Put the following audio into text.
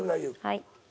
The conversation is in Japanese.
はい。